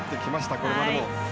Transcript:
これまでも。